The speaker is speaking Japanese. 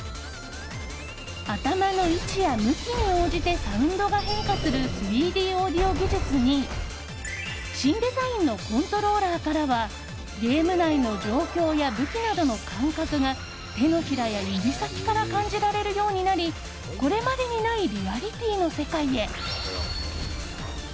頭の位置や向きに応じてサウンドが変化する３Ｄオーディオ技術に新デザインのコントローラーからはゲーム内の状況や武器などの感覚が手のひらや指先から感じられるようになりこれまでにないリアリティーの世界へ。